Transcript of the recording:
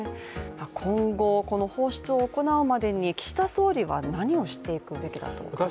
今後、この放出を行うまでに岸田総理は何をしていくべきだと思いますか？